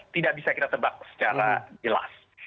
tidak bisa kita tebak secara jelas